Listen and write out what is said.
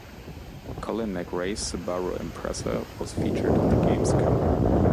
Colin McRae's Subaru Impreza was featured on the game's cover.